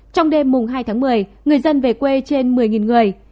trong đêm mùng hai tháng một mươi người dân về quê trên một mươi người